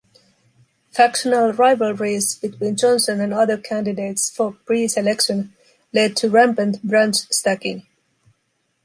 Factional rivalries between Johnson and other candidates for preselection led to rampant branch stacking.